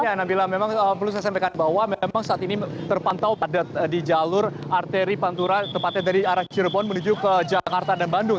ya nabila memang perlu saya sampaikan bahwa memang saat ini terpantau padat di jalur arteri pantura tepatnya dari arah cirebon menuju ke jakarta dan bandung